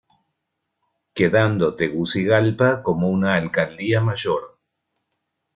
Quedando Tegucigalpa como una Alcaldía Mayor.